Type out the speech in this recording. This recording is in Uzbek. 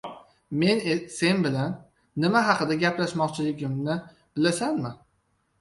– Men sen bilan nima haqida gaplashmoqchiligimni bilasanmi?